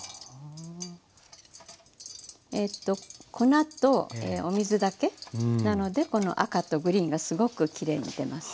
ええと粉とお水だけなのでこの赤とグリーンがすごくきれいに出ます。